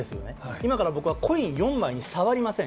今から僕はコイン４枚に触りません。